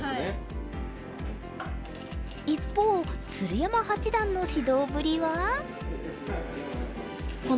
一方鶴山八段の指導ぶりは？